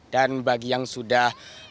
dan bagi yang sudah